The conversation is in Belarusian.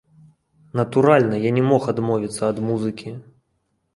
Натуральна, я не мог адмовіцца ад музыкі.